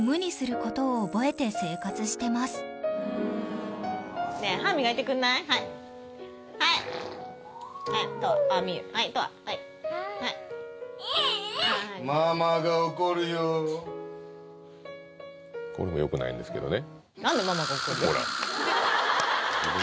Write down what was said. こういうのよくないんですけどね